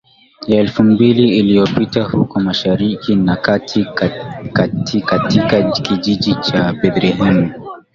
Ya elfu mbili iliyopita huko Mashariki ya Kati katika kijiji cha Bethlehemu